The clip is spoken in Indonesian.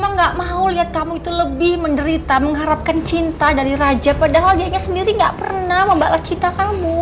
kamu gak mau lihat kamu itu lebih menderita mengharapkan cinta dari raja padahal dirinya sendiri gak pernah membalas cita kamu